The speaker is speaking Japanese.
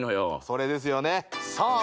それですよねさあ